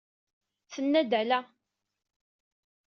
Tenna-d ala.